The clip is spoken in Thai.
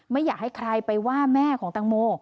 ไม่อยากให้ใครไปว่าแม่ของตังโม